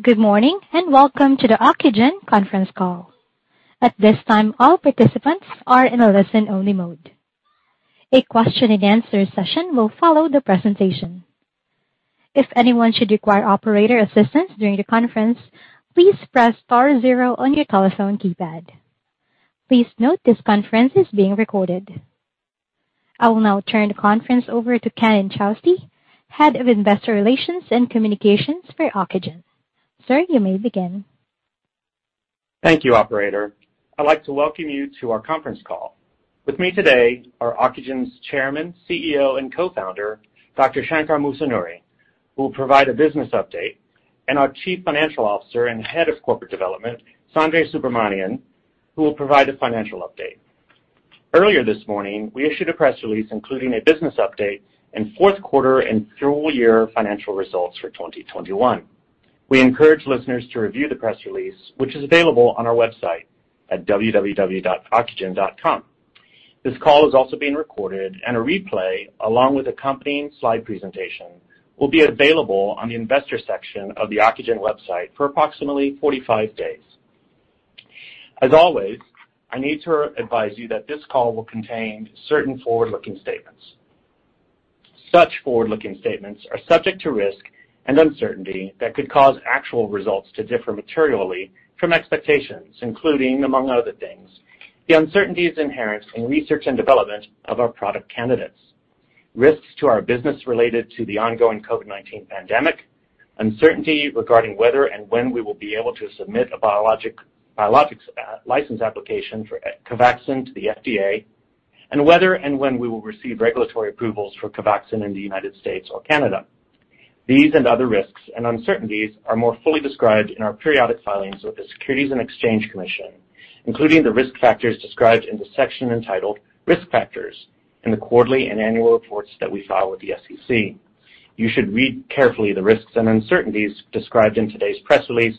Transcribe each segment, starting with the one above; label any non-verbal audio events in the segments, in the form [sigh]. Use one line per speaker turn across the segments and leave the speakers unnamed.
Good morning, and welcome to the Ocugen conference call. At this time, all participants are in a listen-only mode. A question and answer session will follow the presentation. If anyone should require operator assistance during the conference, please press star zero on your telephone keypad. Please note this conference is being recorded. I will now turn the conference over to Ken Inchausti, Head of Investor Relations and Communications for Ocugen. Sir, you may begin.
Thank you, operator. I'd like to welcome you to our conference call. With me today are Ocugen's Chairman, CEO, and Co-founder, Dr. Shankar Musunuri, who will provide a business update, and our Chief Financial Officer and Head of Corporate Development, Sanjay Subramanian, who will provide a financial update. Earlier this morning, we issued a press release including a business update and fourth quarter and full year financial results for 2021. We encourage listeners to review the press release which is available on our website at www.ocugen.com. This call is also being recorded, and a replay, along with accompanying slide presentation, will be available on the investor section of the Ocugen website for approximately 45 days. As always, I need to advise you that this call will contain certain forward-looking statements. Such forward-looking statements are subject to risk and uncertainty that could cause actual results to differ materially from expectations, including, among other things, the uncertainties inherent in research and development of our product candidates, risks to our business related to the ongoing COVID-19 pandemic, uncertainty regarding whether and when we will be able to submit a biologics license application for COVAXIN to the FDA, and whether and when we will receive regulatory approvals for COVAXIN in the United States or Canada. These and other risks and uncertainties are more fully described in our periodic filings with the Securities and Exchange Commission, including the risk factors described in the section entitled "Risk Factors" in the quarterly and annual reports that we file with the SEC. You should read carefully the risks and uncertainties described in today's press release,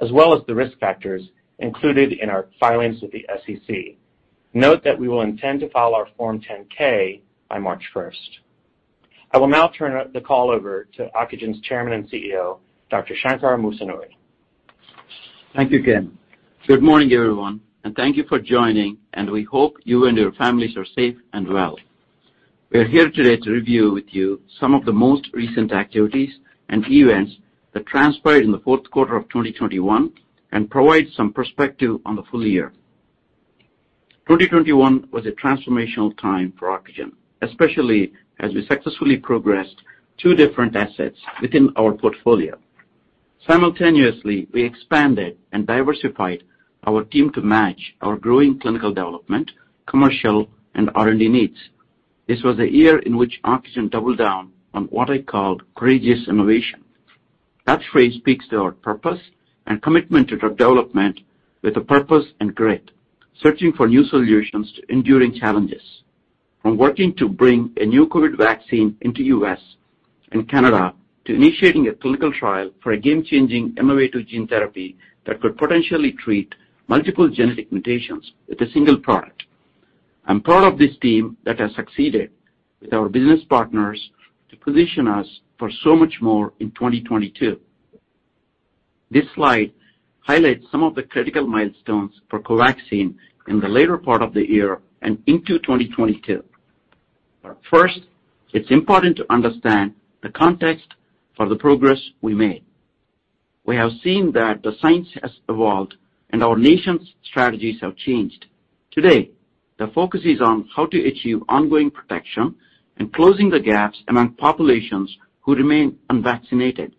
as well as the risk factors included in our filings with the SEC. Note that we will intend to file our Form 10-K by March first. I will now turn the call over to Ocugen's Chairman and CEO, Dr. Shankar Musunuri.
Thank you, Ken. Good morning, everyone, and thank you for joining, and we hope you and your families are safe and well. We are here today to review with you some of the most recent activities and events that transpired in the fourth quarter of 2021 and provide some perspective on the full year. 2021 was a transformational time for Ocugen, especially as we successfully progressed two different assets within our portfolio. Simultaneously, we expanded and diversified our team to match our growing clinical development, commercial, and R&D needs. This was a year in which Ocugen doubled down on what I call courageous innovation. That phrase speaks to our purpose and commitment to drug development with a purpose and grit, searching for new solutions to enduring challenges, from working to bring a new COVID vaccine into U.S. and Canada, to initiating a clinical trial for a game-changing modifier gene therapy that could potentially treat multiple genetic mutations with a single product. I'm proud of this team that has succeeded with our business partners to position us for so much more in 2022. This slide highlights some of the critical milestones for COVAXIN in the later part of the year and into 2022. First, it's important to understand the context for the progress we made. We have seen that the science has evolved and our nation's strategies have changed. Today, the focus is on how to achieve ongoing protection and closing the gaps among populations who remain unvaccinated.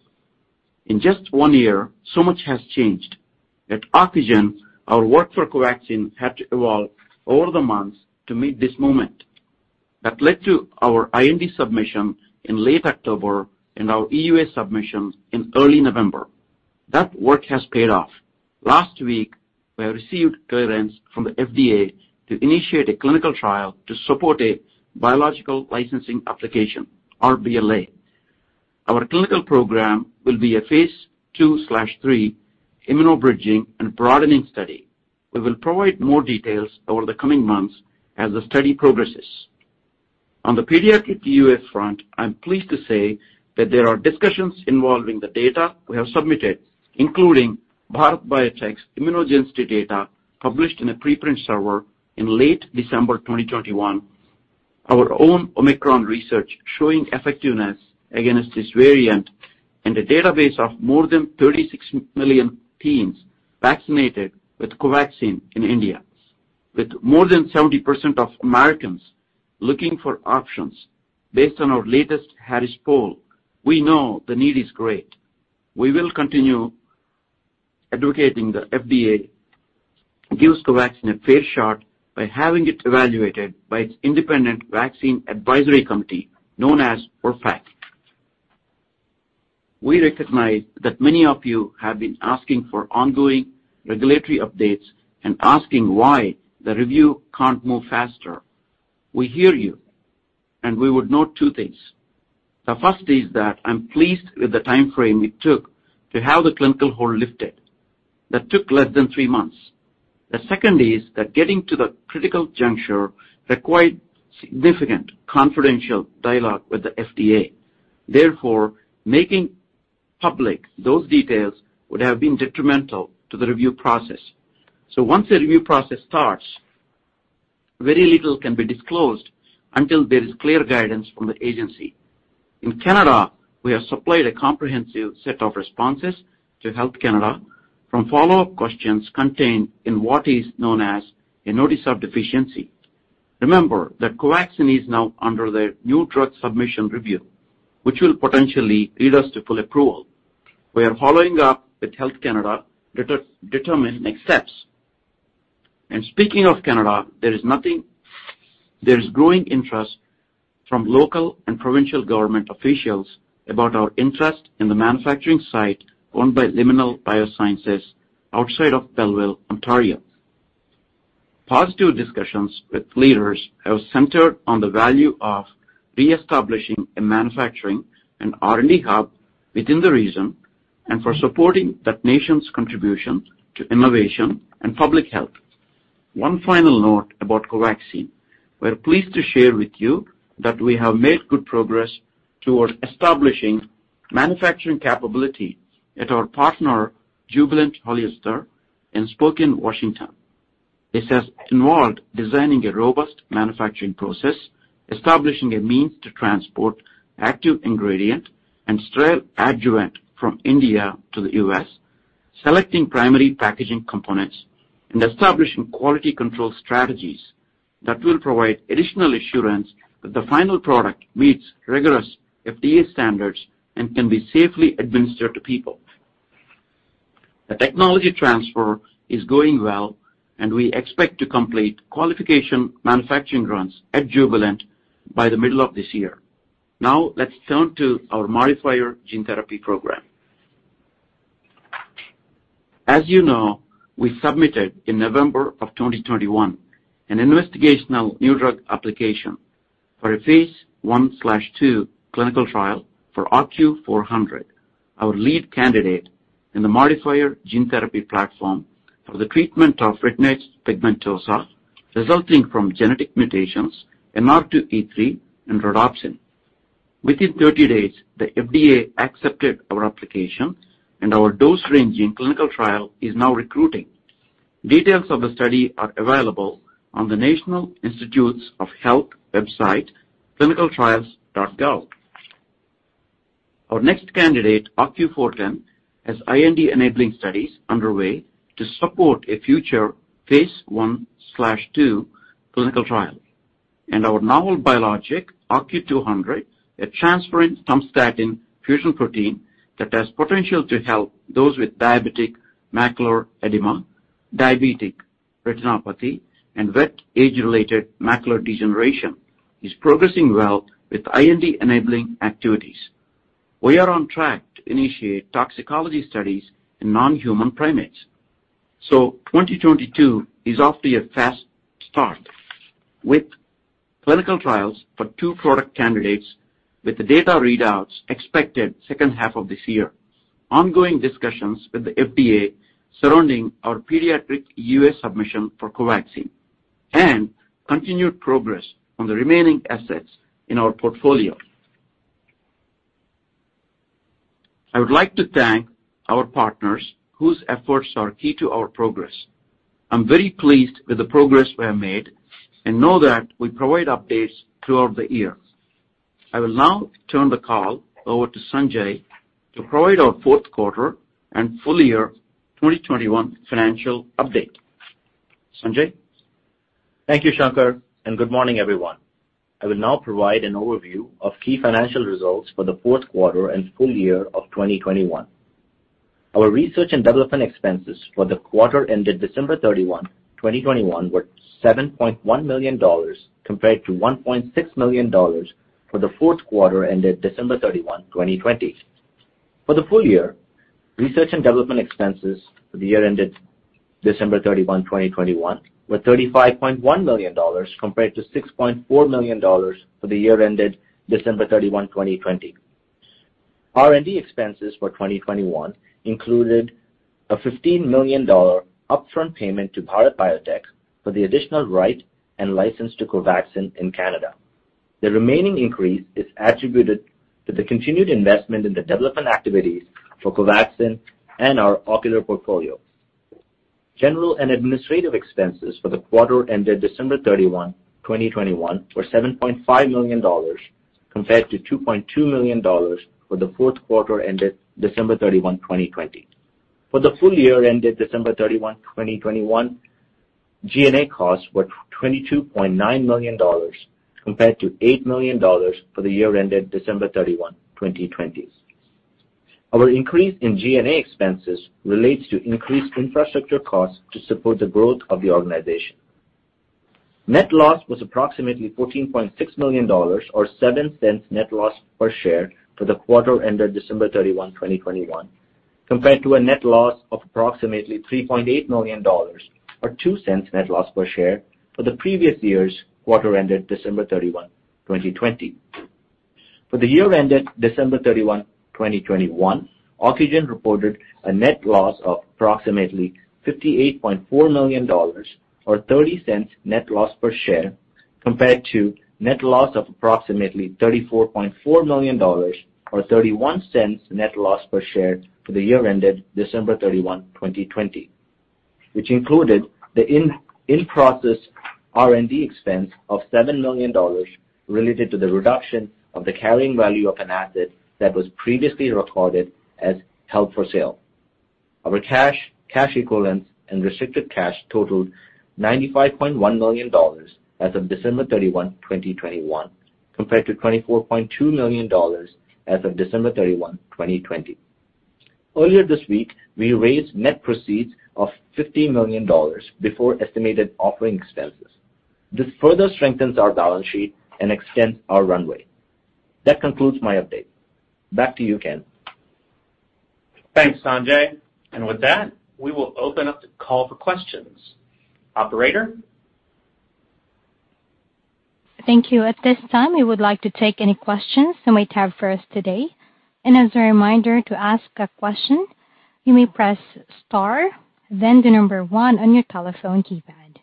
In just one year, so much has changed. At Ocugen, our work for COVAXIN had to evolve over the months to meet this moment. That led to our IND submission in late October and our EUA submission in early November. That work has paid off. Last week, we received clearance from the FDA to initiate a clinical trial to support a biological licensing application, or BLA. Our clinical program will be a phase II/III immuno-bridging and broadening study. We will provide more details over the coming months as the study progresses. On the pediatric EUA front, I'm pleased to say that there are discussions involving the data we have submitted, including Bharat Biotech's immunogenicity data published in a preprint server in late December 2021, our own Omicron research showing effectiveness against this variant, and a database of more than 36 million teens vaccinated with COVAXIN in India. With more than 70% of Americans looking for options based on our latest The Harris Poll, we know the need is great. We will continue advocating the FDA gives COVAXIN a fair shot by having it evaluated by its independent vaccine advisory committee, known as VRBPAC. We recognize that many of you have been asking for ongoing regulatory updates and asking why the review can't move faster. We hear you and we would note two things. The first is that I'm pleased with the timeframe it took to have the clinical hold lifted. That took less than three months. The second is that getting to the critical juncture required significant confidential dialogue with the FDA. Therefore, making public those details would have been detrimental to the review process. Once the review process starts, very little can be disclosed until there is clear guidance from the agency. In Canada, we have supplied a comprehensive set of responses to Health Canada from follow-up questions contained in what is known as a Notice of Deficiency. Remember that COVAXIN is now under the new drug submission review, which will potentially lead us to full approval. We are following up with Health Canada to determine next steps. Speaking of Canada, there is growing interest from local and provincial government officials about our interest in the manufacturing site owned by Liminal BioSciences outside of Belleville, Ontario. Positive discussions with leaders have centered on the value of re-establishing a manufacturing and R&D hub within the region and for supporting that nation's contribution to innovation and public health. One final note about COVAXIN. We're pleased to share with you that we have made good progress towards establishing manufacturing capability at our partner, Jubilant HollisterStier in Spokane, Washington. This has involved designing a robust manufacturing process, establishing a means to transport active ingredient and sterile adjuvant from India to the U.S., selecting primary packaging components, and establishing quality control strategies that will provide additional assurance that the final product meets rigorous FDA standards and can be safely administered to people. The technology transfer is going well and we expect to complete qualification manufacturing runs at Jubilant by the middle of this year. Now let's turn to our modifier gene therapy program. As you know, we submitted in November of 2021 an investigational new drug application for a phase I/II clinical trial for OCU400, our lead candidate in the modifier gene therapy platform for the treatment of retinitis pigmentosa resulting from genetic mutations, NR2E3, and rhodopsin. Within 30 days, the FDA accepted our application, and our dose-ranging clinical trial is now recruiting. Details of the study are available on the National Institutes of Health website, clinicaltrials.gov. Our next candidate, OCU410, has IND-enabling studies underway to support a future phase I/II clinical trial. Our novel biologic, OCU200, a transferrin-tumstatin fusion protein that has potential to help those with diabetic macular edema, diabetic retinopathy, and wet age-related macular degeneration, is progressing well with IND-enabling activities. We are on track to initiate toxicology studies in non-human primates. 2022 is off to a fast start with clinical trials for two product candidates with the data readouts expected second half of this year, ongoing discussions with the FDA surrounding our pediatric U.S. submission for COVAXIN, and continued progress on the remaining assets in our portfolio. I would like to thank our partners whose efforts are key to our progress. I'm very pleased with the progress we have made and know that we provide updates throughout the year. I will now turn the call over to Sanjay to provide our fourth quarter and full year 2021 financial update. Sanjay?
Thank you, Shankar, and good morning, everyone. I will now provide an overview of key financial results for the fourth quarter and full year of 2021. Our research and development expenses for the quarter ended December 31, 2021 were $7.1 million compared to $1.6 million for the fourth quarter ended December 31, 2020. For the full year, research and development expenses for the year ended December 31, 2021 were $35.1 million compared to $6.4 million for the year ended December 31, 2020. R&D expenses for 2021 included a $15 million upfront payment to Bharat Biotech for the additional right and license to COVAXIN in Canada. The remaining increase is attributed to the continued investment in the development activities for COVAXIN and our ocular portfolio. General and administrative expenses for the quarter ended December 31, 2021 were $7.5 million compared to $2.2 million for the fourth quarter ended December 31, 2020. For the full year ended December 31, 2021, G&A costs were $22.9 million compared to $8 million for the year ended December 31, 2020. Our increase in G&A expenses relates to increased infrastructure costs to support the growth of the organization. Net loss was approximately $14.6 million or $0.07 net loss per share for the quarter ended December 31, 2021, compared to a net loss of approximately $3.8 million or $0.02 net loss per share for the previous year's quarter ended December 31, 2020. For the year ended December 31, 2021, Ocugen reported a net loss of approximately $58.4 million or $0.30 net loss per share, compared to net loss of approximately $34.4 million or $0.31 net loss per share for the year ended December 31, 2020, which included the in-process R&D expense of $7 million related to the reduction of the carrying value of an asset that was previously recorded as held for sale. Our cash equivalents and restricted cash totaled $95.1 million as of December 31, 2021, compared to $24.2 million as of December 31, 2020. Earlier this week, we raised net proceeds of $50 million before estimated offering expenses. This further strengthens our balance sheet and extends our runway. That concludes my update. Back to you, Ken.
Thanks, Sanjay. With that, we will open up the call for questions. Operator?
Thank you. At this time, we would like to take any questions you may have for us today. As a reminder, to ask a question, you may press star then the number one on your telephone keypad.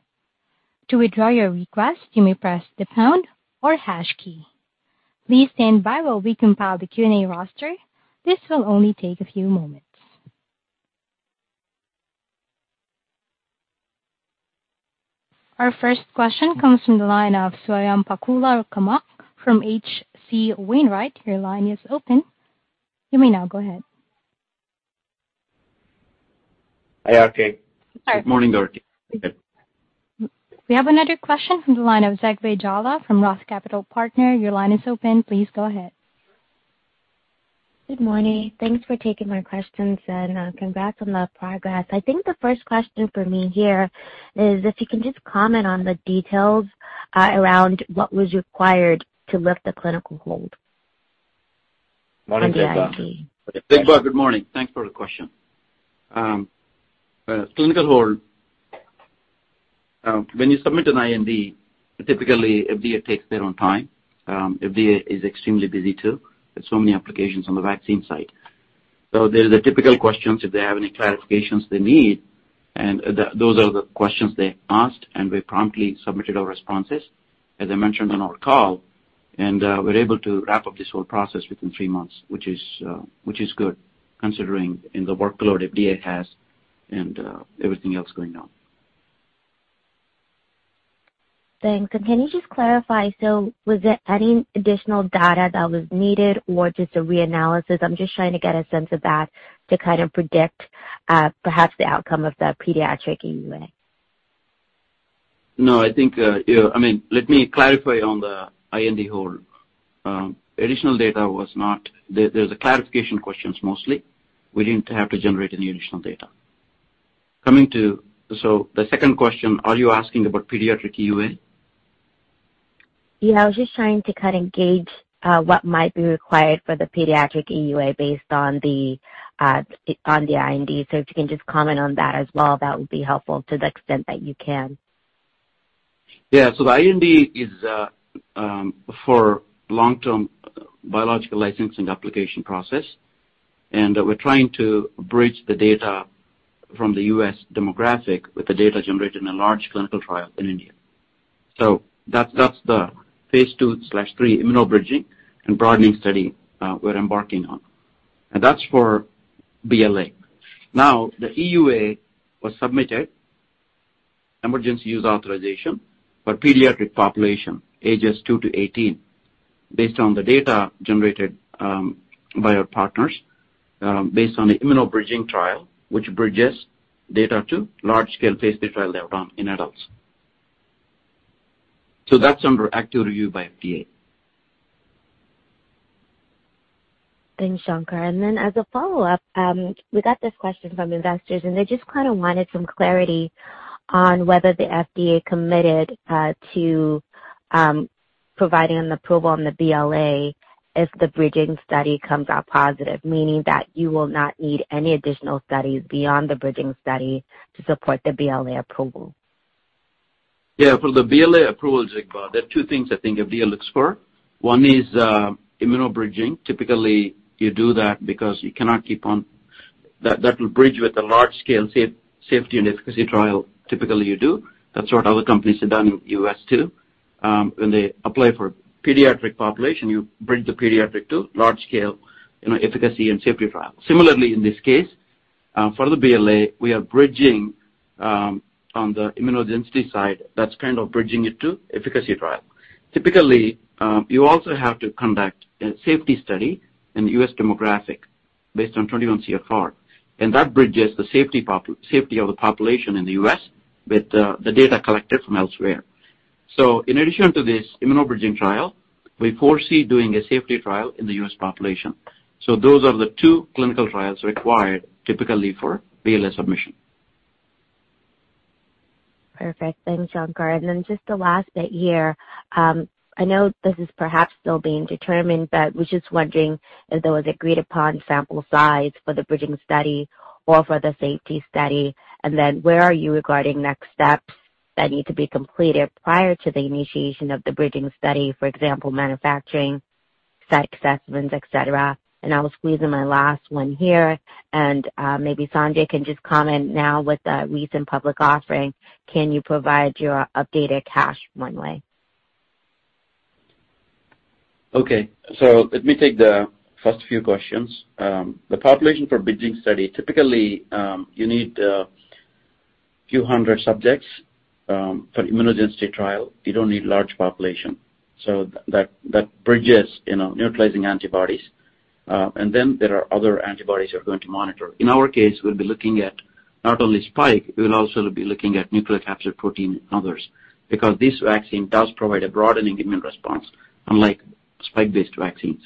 To withdraw your request, you may press the pound or hash key. Please stand by while we compile the Q&A roster. This will only take a few moments. Our first question comes from the line of Swayampakula Ramakanth from H.C. Wainwright. Your line is open. You may now go ahead.
Hi, RK. Good morning, Dorothy.
We have another question from the line of Zegbeh Jallah from ROTH Capital Partners. Your line is open. Please go ahead.
Good morning. Thanks for taking my questions and congrats on the progress. I think the first question for me here is if you can just comment on the details around what was required to lift the clinical hold.
Morning, [crosstalk] Zegbeh.
Hi, Sanjay. [crosstalk]
Zegbeh, good morning. Thanks for the question. Clinical hold, when you submit an IND, typically FDA takes their own time. FDA is extremely busy, too. There's so many applications on the vaccine side. There's the typical questions if they have any clarifications they need, and those are the questions they asked, and we promptly submitted our responses, as I mentioned on our call. We're able to wrap up this whole process within three months, which is good considering and the workload FDA has and everything else going on.
Thanks. Can you just clarify, so was there any additional data that was needed or just a reanalysis? I'm just trying to get a sense of that to kind of predict, perhaps the outcome of the pediatric EUA.
No, I think, yeah, I mean, let me clarify on the IND hold. Additional data was not. They were clarification questions mostly. We didn't have to generate any additional data. The second question, are you asking about pediatric EUA?
Yeah, I was just trying to kind of gauge what might be required for the pediatric EUA based on the IND. So if you can just comment on that as well, that would be helpful to the extent that you can.
Yeah. The IND is for long-term biologics license application process, and we're trying to bridge the data from the U.S. demographic with the data generated in a large clinical trial in India. That's the phase II/III immuno-bridging and broadening study we're embarking on. That's for BLA. Now, the EUA was submitted, emergency use authorization, for pediatric population ages 2-18 based on the data generated by our partners based on the immuno-bridging trial, which bridges data to large-scale phase III trial they've done in adults. That's under active review by FDA.
Thanks, Shankar. As a follow-up, we got this question from investors, and they just kind of wanted some clarity on whether the FDA committed to providing an approval on the BLA if the bridging study comes out positive, meaning that you will not need any additional studies beyond the bridging study to support the BLA approval.
Yeah. For the BLA approval, Zegbeh, there are two things I think FDA looks for. One is, immuno-bridging. Typically, you do that. That will bridge with a large-scale safety and efficacy trial. Typically, you do. That's what other companies have done in the U.S. too. When they apply for pediatric population, you bridge the pediatric to large scale, you know, efficacy and safety trial. Similarly, in this case, for the BLA, we are bridging on the immunogenicity side. That's kind of bridging it to efficacy trial. Typically, you also have to conduct a safety study in the U.S. demographic based on 21 CFR, and that bridges the safety of the population in the U.S. with the data collected from elsewhere. In addition to this immuno-bridging trial, we foresee doing a safety trial in the U.S. population. Those are the two clinical trials required typically for BLA submission.
Perfect. Thanks, Shankar. Just the last bit here. I know this is perhaps still being determined, but was just wondering if there was agreed-upon sample size for the bridging study or for the safety study. Where are you regarding next steps that need to be completed prior to the initiation of the bridging study, for example, manufacturing, site assessments, et cetera. I will squeeze in my last one here and maybe Sanjay can just comment now with the recent public offering. Can you provide your updated cash runway?
Okay, let me take the first few questions. The population for bridging study, typically, you need a few hundred subjects, for immunogenicity trial. You don't need large population. That bridges, you know, neutralizing antibodies. Then there are other antibodies you're going to monitor. In our case, we'll be looking at not only spike, we'll also be looking at nucleocapsid protein and others, because this vaccine does provide a broadening immune response unlike spike-based vaccines.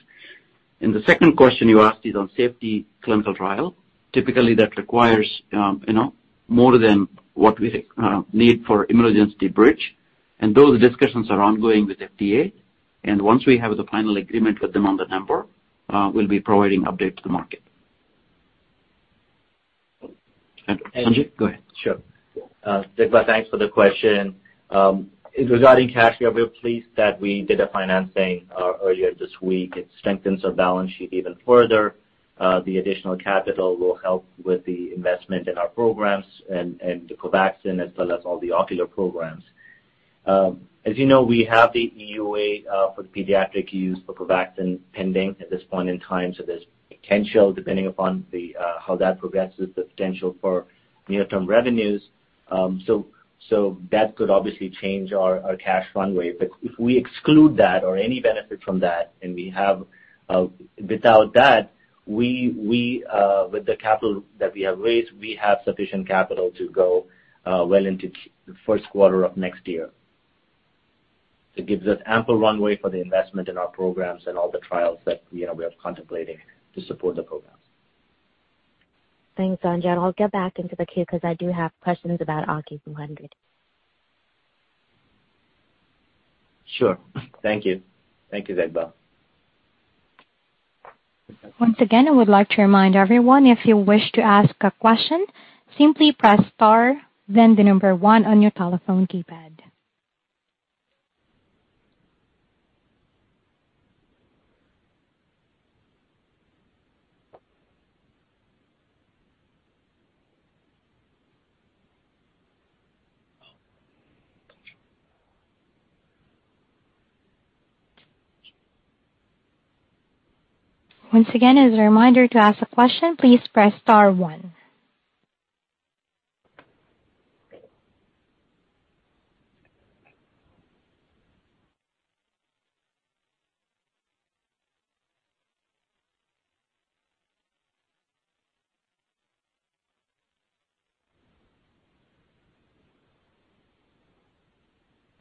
The second question you asked is on safety clinical trial. Typically, that requires, you know, more than what we need for immunogenicity bridge. Those discussions are ongoing with FDA. Once we have the final agreement with them on the number, we'll be providing update to the market. Sanjay, go ahead.
Sure. Zegbeh, thanks for the question. Regarding cash, we are pleased that we did a financing earlier this week. It strengthens our balance sheet even further. The additional capital will help with the investment in our programs and the COVAXIN as well as all the ocular programs. As you know, we have the EUA for the pediatric use for COVAXIN pending at this point in time. There's potential, depending upon how that progresses, the potential for near-term revenues. So that could obviously change our cash runway. If we exclude that or any benefit from that, without that, with the capital that we have raised, we have sufficient capital to go well into the first quarter of next year. It gives us ample runway for the investment in our programs and all the trials that, you know, we are contemplating to support the programs.
Thanks, Sanjay. I'll get back into the queue because I do have questions about OCU200.
Sure. Thank you. Thank you, Zegbeh.
Once again, I would like to remind everyone, if you wish to ask a question, simply press star then the number one on your telephone keypad. Once again, as a reminder, to ask a question, please press star one.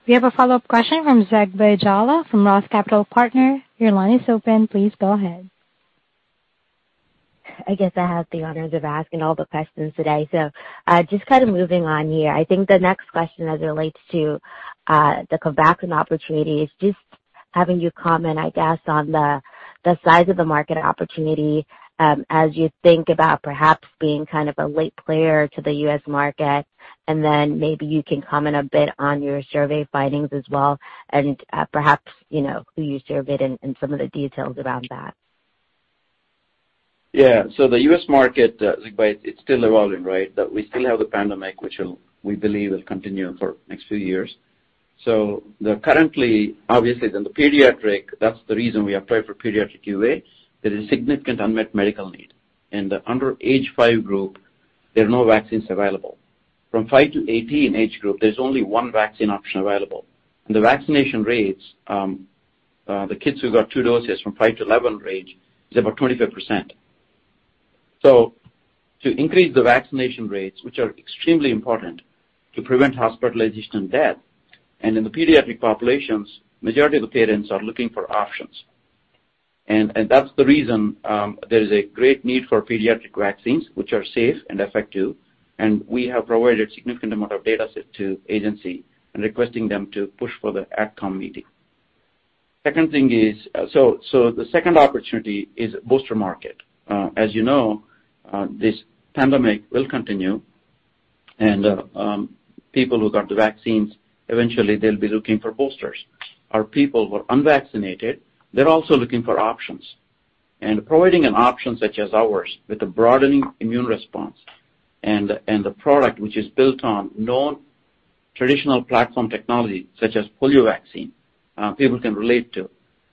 We have a follow-up question from Zegbeh Jallah from ROTH Capital Partners. Your line is open. Please go ahead.
I guess I have the honors of asking all the questions today. Just kind of moving on here. I think the next question as it relates to the COVAXIN opportunity is just having you comment, I guess, on the size of the market opportunity, as you think about perhaps being kind of a late player to the U.S. market, and then maybe you can comment a bit on your survey findings as well and perhaps you know who you surveyed and some of the details around that.
Yeah. The U.S. market, Zegbeh, it's still evolving, right? We still have the pandemic which we believe will continue for next few years. Currently, obviously in the pediatric, that's the reason we applied for pediatric EUA. There is significant unmet medical need. In the under age five group, there are no vaccines available. From 5-18 age group, there's only one vaccine option available. The vaccination rates, the kids who got two doses from 5-11 range is about 25%. To increase the vaccination rates, which are extremely important to prevent hospitalization and death, and in the pediatric populations, majority of the parents are looking for options. That's the reason, there is a great need for pediatric vaccines which are safe and effective. We have provided significant amount of data set to agency and requesting them to push for the Ad Comm meeting. Second thing is the second opportunity is booster market. As you know, this pandemic will continue and people who got the vaccines, eventually they'll be looking for boosters. Or people who are unvaccinated, they're also looking for options. Providing an option such as ours with a broadening immune response and the product which is built on known traditional platform technology such as polio vaccine, people can relate to.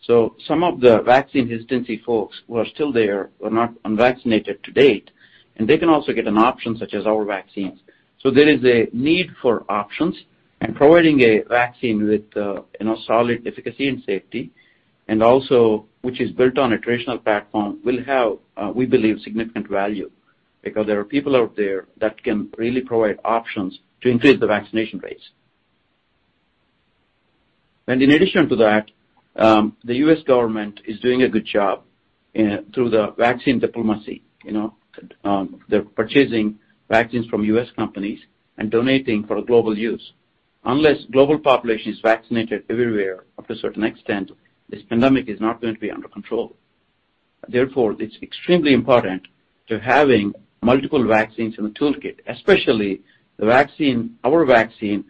Some of the vaccine hesitancy folks who are still there were not vaccinated to date and they can also get an option such as our vaccines. There is a need for options and providing a vaccine with, you know, solid efficacy and safety and also which is built on a traditional platform will have, we believe significant value because there are people out there that can really provide options to increase the vaccination rates. In addition to that, the U.S. government is doing a good job through the vaccine diplomacy. You know, they're purchasing vaccines from U.S. companies and donating for global use. Unless global population is vaccinated everywhere up to a certain extent, this pandemic is not going to be under control. Therefore, it's extremely important to having multiple vaccines in the toolkit, especially the vaccine. Our vaccine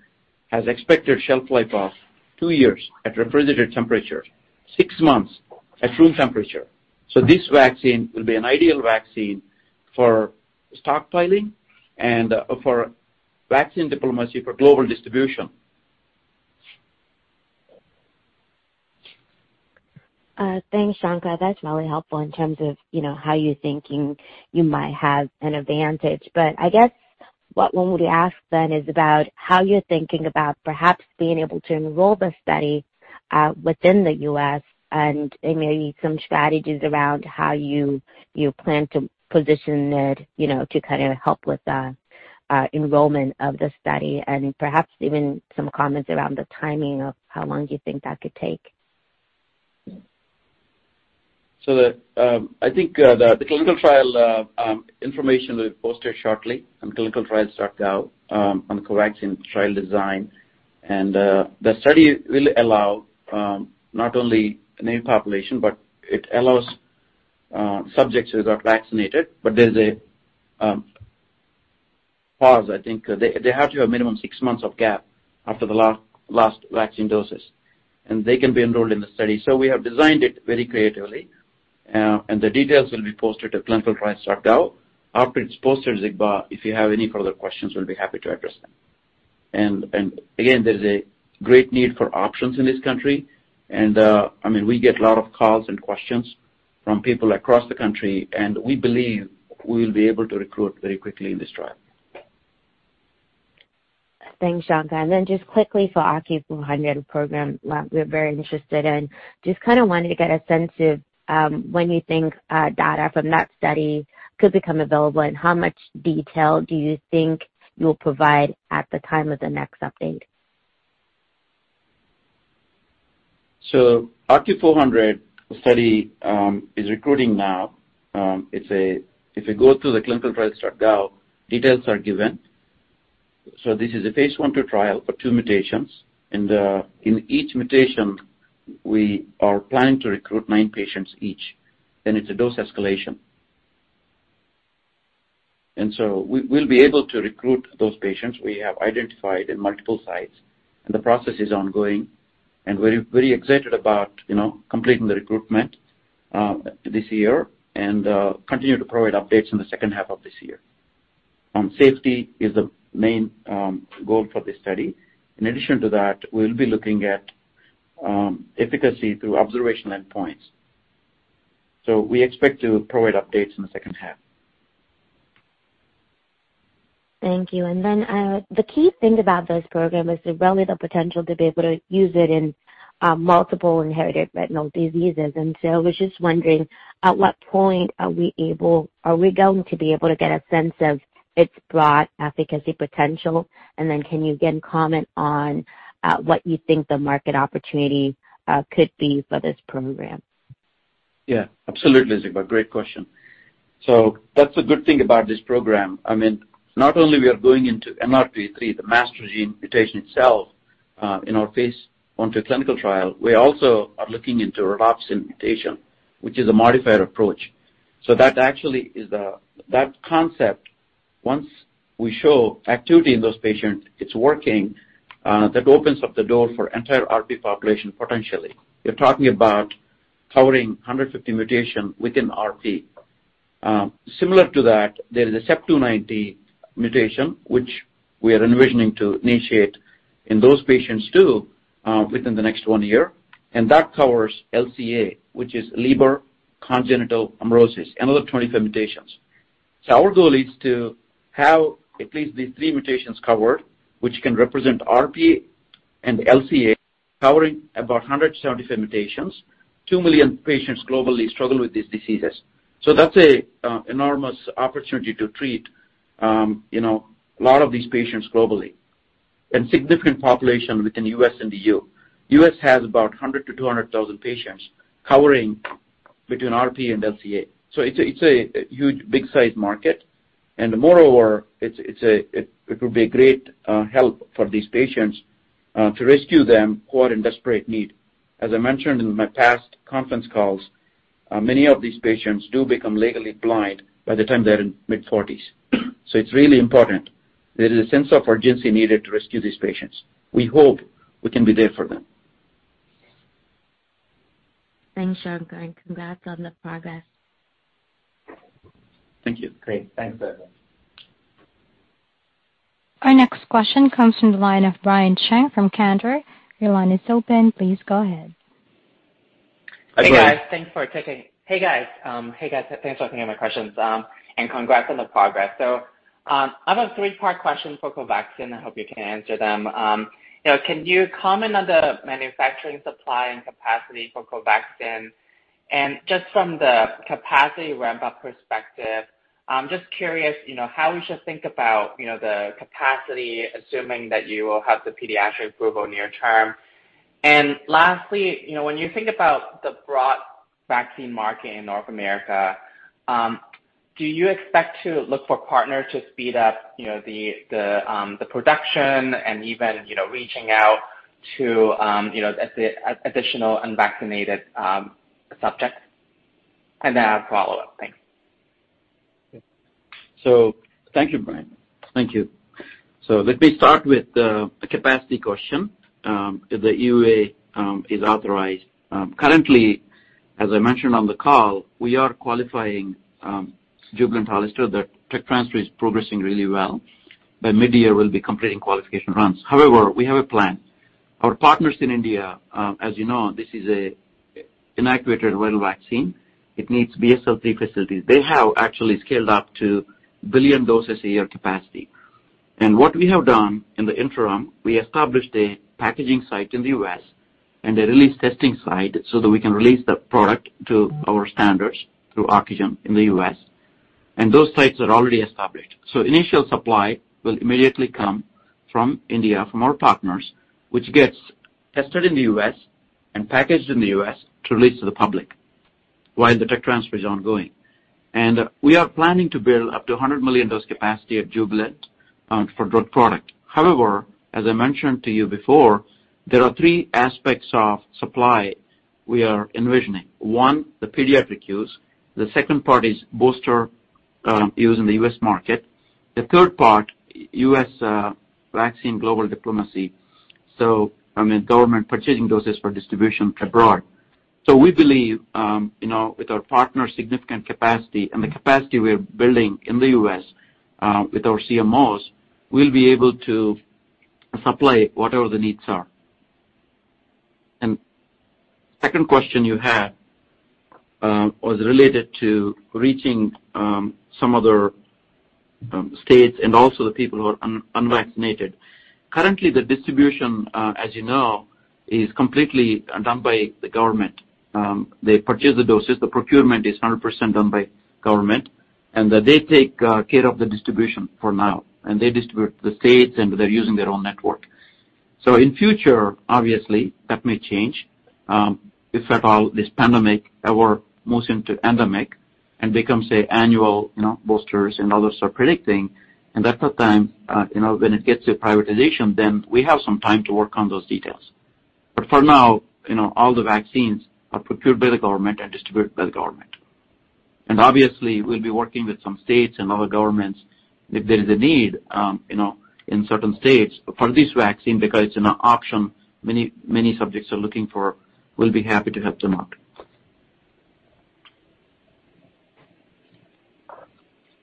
has expected shelf life of two years at refrigerator temperature, six months at room temperature. This vaccine will be an ideal vaccine for stockpiling and for vaccine diplomacy for global distribution.
Thanks, Shankar. That's really helpful in terms of, you know, how you're thinking you might have an advantage. I guess what one would ask then is about how you're thinking about perhaps being able to enroll the study within the U.S. and maybe some strategies around how you plan to position it, you know, to kind of help with the enrollment of the study and perhaps even some comments around the timing of how long do you think that could take?
I think the clinical trial information will be posted shortly on clinicaltrials.gov on the COVAXIN trial design. The study will allow not only a new population, but it allows subjects who got vaccinated but there's a pause. I think they have to have minimum six months of gap after the last vaccine doses and they can be enrolled in the study. We have designed it very creatively and the details will be posted at clinicaltrials.gov. After it's posted, Zegbeh, if you have any further questions, we'll be happy to address them. Again, there's a great need for options in this country. I mean, we get a lot of calls and questions from people across the country, and we believe we'll be able to recruit very quickly in this trial.
Thanks, Shankar. Just quickly for OCU400 program, well, we're very interested in. Just kind of wanted to get a sense of when you think data from that study could become available, and how much detail do you think you'll provide at the time of the next update?
So OCU400 study is recruiting now. It's a go to the clinical trial start-out, details are given. So this is a phase I/II trial for two mutations. In each mutation we are planning to recruit nine patients each and it's a dose escalation. We'll be able to recruit those patients. We have identified multiple sites and the process is ongoing and we're very excited about, you know, completing the recruitment this year and continue to provide updates in the second half of this year. Safety is the main goal for this study. In addition to that, we'll be looking at efficacy through observational endpoints. We expect to provide updates in the second half.
Thank you. The key thing about this program is the relative potential to be able to use it in multiple inherited retinal diseases. I was just wondering, at what point are we going to be able to get a sense of its broad efficacy potential? Can you again comment on what you think the market opportunity could be for this program?
Yeah, absolutely, Zigbeh. Great question. That's the good thing about this program. I mean, not only are we going into MRP3, the master gene mutation itself, in our phase III clinical trial, we also are looking into rhodopsin mutation, which is a modifier approach. That actually is the concept, once we show activity in those patients, it's working, that opens up the door for entire RP population, potentially. You're talking about covering 150 mutations within RP. Similar to that, there is a CEP290 mutation, which we are envisioning to initiate in those patients too, within the next year. That covers LCA, which is Leber congenital amaurosis, another 25 mutations. Our goal is to have at least these three mutations covered, which can represent RP and LCA, covering about 175 mutations, two million patients globally struggle with these diseases. That's an enormous opportunity to treat you know a lot of these patients globally and significant population within U.S. and EU. U.S. has about 100,000-200,000 patients covering between RP and LCA. It's a huge big-sized market and moreover, it would be a great help for these patients to rescue them who are in desperate need. As I mentioned in my past conference calls, many of these patients do become legally blind by the time they're in mid-forties. It's really important. There is a sense of urgency needed to rescue these patients. We hope we can be there for them.
Thanks, Shankar and congrats on the progress.
Thank you.
Great. Thanks, Zegbeh.
Our next question comes from the line of Brian Cheng from Cantor. Your line is open. Please go ahead.
Hi, Brian. [crosstalk]
Hey, guys. Thanks for taking my questions, and congrats on the progress. I have a three-part question for COVAXIN. I hope you can answer them. You know, can you comment on the manufacturing supply and capacity for COVAXIN? And just from the capacity ramp-up perspective, I'm just curious, you know, how we should think about, you know, the capacity assuming that you will have the pediatric approval near term. And lastly, you know, when you think about the broad vaccine market in North America, do you expect to look for partner to speed up, you know, the production and even, you know, reaching out to, you know, additional unvaccinated subjects? And I have a follow-up. Thanks.
Thank you, Brian. Thank you. Let me start with the capacity question, if the EUA is authorized. Currently, as I mentioned on the call, we are qualifying Jubilant HollisterStier. The tech transfer is progressing really well. By mid-year, we'll be completing qualification runs. However, we have a plan. Our partners in India, as you know, this is a inactivated viral vaccine. It needs BSL-3 facilities. They have actually scaled up to billion doses a year capacity. What we have done in the interim, we established a packaging site in the U.S. and a release testing site so that we can release the product to our standards through Ocugen in the U.S. Those sites are already established. Initial supply will immediately come from India, from our partners, which gets tested in the U.S. and packaged in the U.S. to release to the public while the tech transfer is ongoing. We are planning to build up to 100 million dose capacity at Jubilant for drug product. However, as I mentioned to you before, there are three aspects of supply we are envisioning. One, the pediatric use. The second part is booster used in the U.S. market. The third part, U.S. vaccine global diplomacy, I mean, government purchasing doses for distribution abroad. We believe, you know, with our partner's significant capacity and the capacity we are building in the U.S. with our CMOs, we'll be able to supply whatever the needs are. Second question you had was related to reaching some other states and also the people who are unvaccinated. Currently the distribution, as you know, is completely done by the government. They purchase the doses. The procurement is 100% done by government, and they take care of the distribution for now and they distribute to the states, and they're using their own network. In future, obviously, that may change, if at all this pandemic ever moves into endemic and becomes an annual, you know, boosters and others are predicting. That's the time, you know, when it gets to privatization then we have some time to work on those details. For now, you know, all the vaccines are procured by the government and distributed by the government. Obviously, we'll be working with some states and other governments if there is a need, you know, in certain states for this vaccine because it's an option many, many subjects are looking for. We'll be happy to help them out.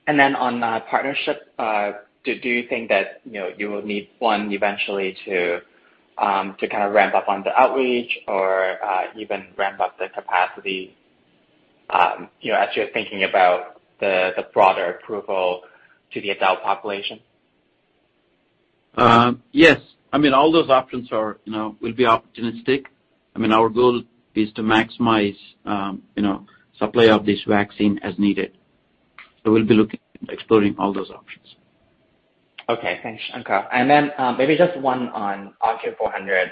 Then on the partnership, do you think that, you know, you will need one eventually to kind of ramp up on the outreach or even ramp up the capacity, you know, as you're thinking about the broader approval to the adult population?
Yes. I mean, all those options are, you know, will be opportunistic. I mean, our goal is to maximize, you know, supply of this vaccine as needed. We'll be looking into exploring all those options.
Okay. Thanks, Shankar. Maybe just one on OCU400.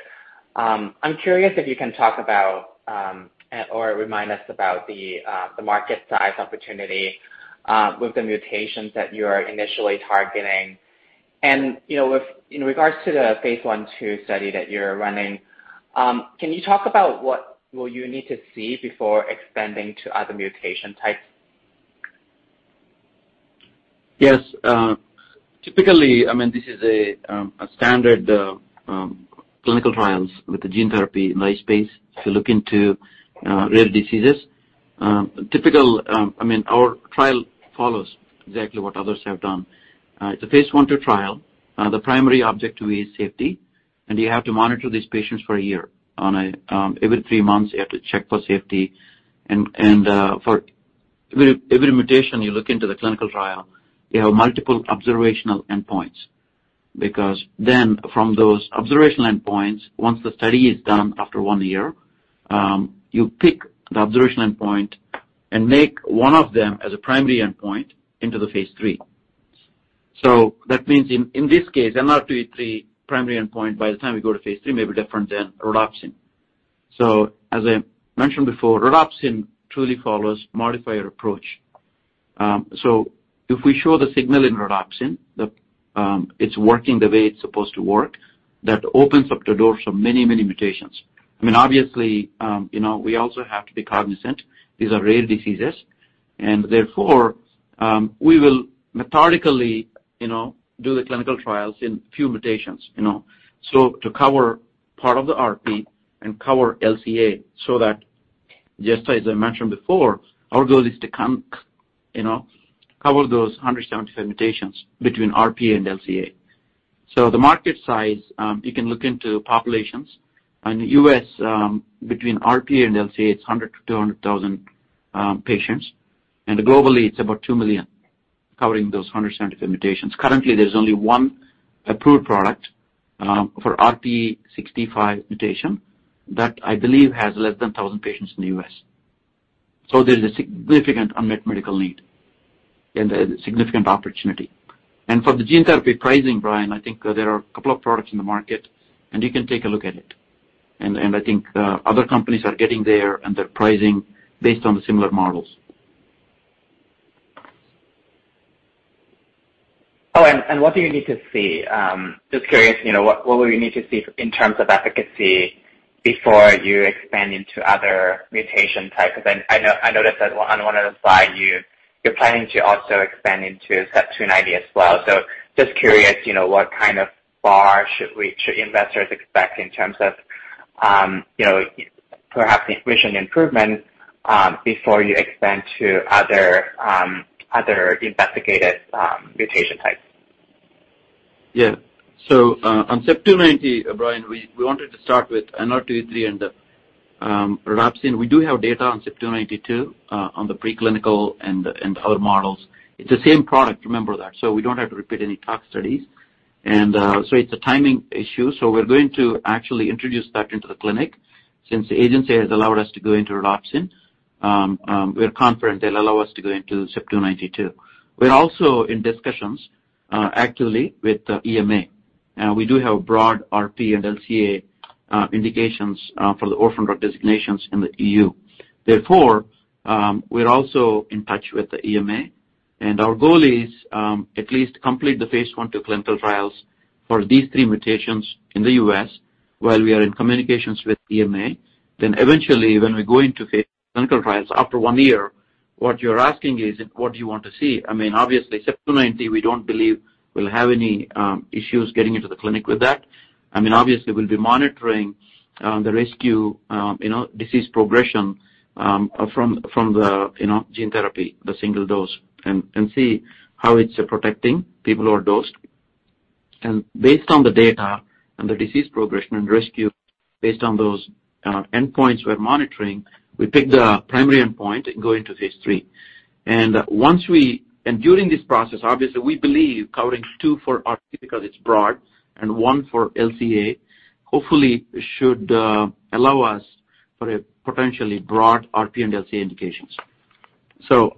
I'm curious if you can talk about, or remind us about the market size opportunity with the mutations that you are initially targeting. You know, with, in regards to the phase I/II study that you're running, can you talk about what will you need to see before expanding to other mutation types?
Yes. Typically, I mean, this is a standard clinical trial with the gene therapy in my space to look into rare diseases. Typical, I mean, our trial follows exactly what others have done. It's a phase I/II trial. The primary objective is safety, and you have to monitor these patients for one year, every three months you have to check for safety and for every mutation you look into the clinical trial, you have multiple observational endpoints. Because then from those observational endpoints, once the study is done after one year, you pick the observation endpoint and make one of them as a primary endpoint into the phase III. That means in this case, NR2E3 primary endpoint by the time we go to phase III may be different than rhodopsin. As I mentioned before, rhodopsin truly follows modifier approach. If we show the signal in rhodopsin, it's working the way it's supposed to work, that opens up the doors for many mutations. I mean, obviously, we also have to be cognizant these are rare diseases. Therefore, we will methodically do the clinical trials in few mutations. To cover part of the RP and cover LCA so that just as I mentioned before, our goal is to cover those 175 mutations between RP and LCA. The market size, you can look into populations. In the U.S., between RP and LCA, it's 100,000-200,000 patients. Globally, it's about two million covering those 175 mutations. Currently, there's only one approved product for RPE65 mutation that I believe has less than a thousand patients in the U.S. There's a significant unmet medical need and a significant opportunity. For the gene therapy pricing, Brian, I think there are a couple of products in the market, and you can take a look at it. I think other companies are getting there and they're pricing based on the similar models.
And what do you need to see? Just curious, you know, what would we need to see in terms of efficacy before you expand into other mutation types? Because I know I noticed that on one of the slides, you're planning to also expand into CEP290 as well. So just curious, you know, what kind of bar should investors expect in terms of, you know, perhaps efficacy improvement before you expand to other investigated mutation types?
Yeah. On CEP290, Brian, we wanted to start with NR2E3 and the rhodopsin. We do have data on CEP290 too, on the preclinical and other models. It's the same product, remember that. We're going to actually introduce that into the clinic, since the agency has allowed us to go into rhodopsin. We're confident they'll allow us to go into CEP290 too. We're also in discussions actively with EMA. We do have broad RP and LCA indications for the orphan drug designations in the EU. Therefore, we're also in touch with the EMA, and our goal is to at least complete the phase I/II clinical trials for these three mutations in the U.S. while we are in communications with EMA. Eventually when we go into phase II clinical trials after one year, what you're asking is, what do you want to see? I mean, obviously CEP290, we don't believe we'll have any issues getting into the clinic with that. I mean, obviously we'll be monitoring the rescue, you know, disease progression from the, you know, gene therapy, the single dose, and see how it's protecting people who are dosed. Based on the data and the disease progression and rescue based on those endpoints we're monitoring, we pick the primary endpoint and go into phase III. Once we, and during this process, obviously we believe covering two for RP because it's broad and one for LCA, hopefully should allow us for a potentially broad RP and LCA indications.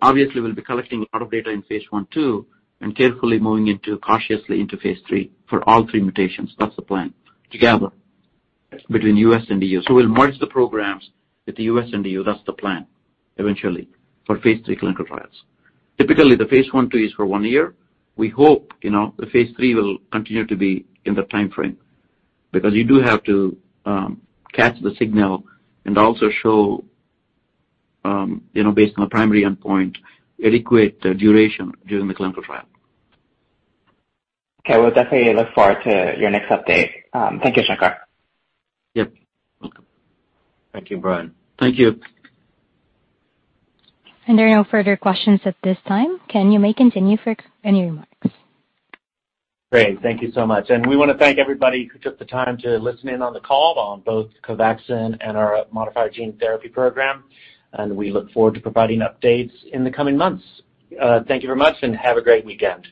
Obviously we'll be collecting a lot of data in phase I/II, and cautiously into phase III for all three mutations. That's the plan together between U.S. and EU. We'll merge the programs with the U.S. and EU. That's the plan eventually for phase III clinical trials. Typically, the phase I/II is for one year. We hope, you know, the phase III will continue to be in the timeframe. Because you do have to catch the signal and also show, you know, based on a primary endpoint adequate duration during the clinical trial.
Okay. We'll definitely look forward to your next update. Thank you, Shankar.
Yep. Welcome.
Thank you, Brian.
Thank you.
There are no further questions at this time. Ken, you may continue for any remarks.
Great. Thank you so much. We wanna thank everybody who took the time to listen in on the call on both COVAXIN and our modifier gene therapy program and we look forward to providing updates in the coming months. Thank you very much and have a great weekend.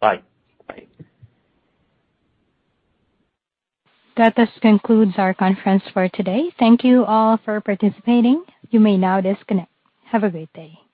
Bye.
Bye.
That just concludes our conference for today. Thank you all for participating. You may now disconnect. Have a great day.